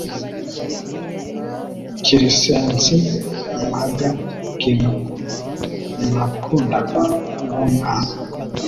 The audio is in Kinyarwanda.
Kirisense naga kino nakundaga ndumwana